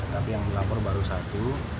tapi yang melapor baru satu